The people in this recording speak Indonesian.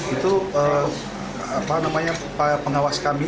itu apa namanya pengawas kami